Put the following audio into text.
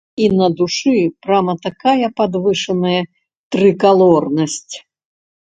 І на душы прама такая падвышаная трыкалорнасць.